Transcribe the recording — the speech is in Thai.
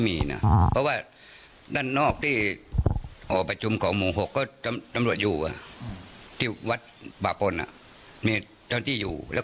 มันจะสบายกว่าฝั่งหลวงจ์ไม่รู้